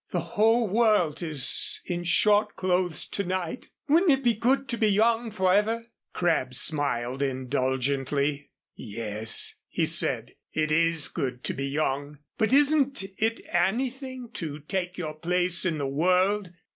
"The whole world is in short clothes to night. Wouldn't it be good to be young forever?" Crabb smiled indulgently. "Yes," he said. "It is good to be young. But isn't it anything to take your place in the world?